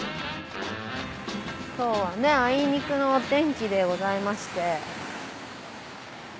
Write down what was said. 今日はあいにくのお天気でございまして。